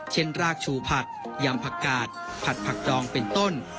รากชูผักยำผักกาดผัดผักดองเป็นต้น